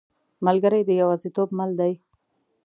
ملګری د یوازیتوب مل دی.